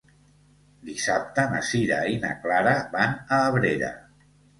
Dissabte na Sira i na Clara van a Abrera.